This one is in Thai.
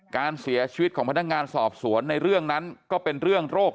การเสียชีวิตของพนักงานสอบสวนในเรื่องนั้นก็เป็นเรื่องโรค